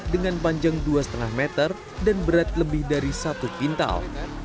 dengan panjang dua lima meter dan berat lebih dari satu kintal